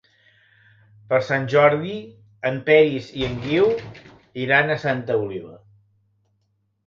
Per Sant Jordi en Peris i en Guiu iran a Santa Oliva.